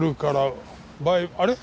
あれ？